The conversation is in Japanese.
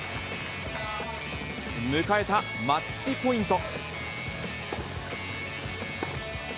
迎えたマッチポイント。